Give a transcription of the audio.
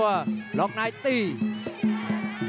เสริมหักทิ้งลงไปครับรอบเย็นมากครับ